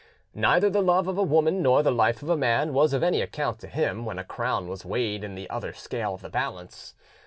Neither the love of a woman nor the life of a man was of any account to him when a crown was weighed in the other scale of the balance.